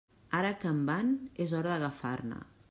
Ara que en van és hora d'agafar-ne.